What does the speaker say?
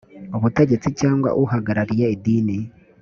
ubutegetsi cyangwa uhagarariye idini